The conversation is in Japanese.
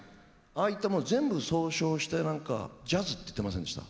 ああいったもの全部総称して何かジャズって言ってませんでした？